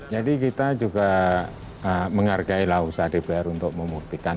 jadi kita juga menghargai lah usaha dpr untuk membuktikan